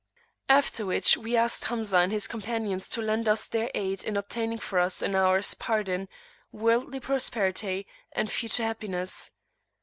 After which, we asked Hamzah and his companions to lend us their aid in obtaining for us and ours pardon, worldly prosperity and future happiness.